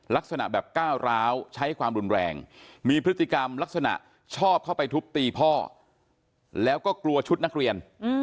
ลักษณะแบบก้าวร้าวใช้ความรุนแรงมีพฤติกรรมลักษณะชอบเข้าไปทุบตีพ่อแล้วก็กลัวชุดนักเรียน